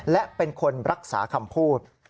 และเป็นคนรักษาคำพูด